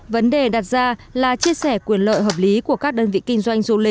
vấn đề đặt ra là chia sẻ quyền lợi hợp lý của các đơn vị kinh doanh